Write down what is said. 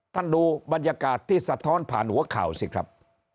ดูบรรยากาศที่สะท้อนผ่านหัวข่าวสิครับ